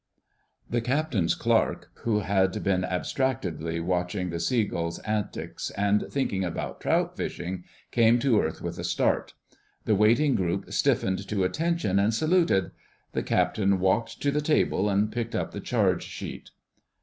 The Captain's Clerk, who had been abstractedly watching the sea gull's antics and thinking about trout fishing, came to earth with a start: the waiting group stiffened to attention and saluted. The Captain walked to the table and picked up the charge sheet.